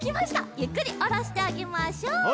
ゆっくりおろしてあげましょう。